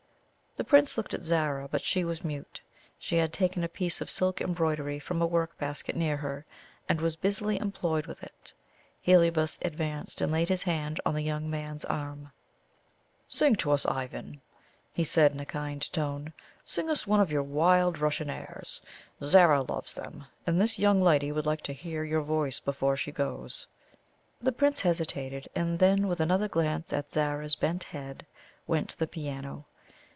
The Prince looked at Zara, but she was mute. She had taken a piece of silk embroidery from a workbasket near her, and was busily employed with it. Heliobas advanced and laid his hand on the young man's arm. "Sing to us, Ivan," he said, in a kind tone. "Sing us one of your wild Russian airs Zara loves them, and this young lady would like to hear your voice before she goes." The Prince hesitated, and then, with another glance at Zara's bent head, went to the piano.